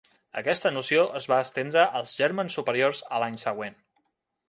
Aquesta noció es va estendre als gèrmens superiors a l'any següent.